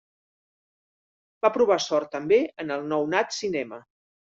Va provar sort també en el nounat cinema.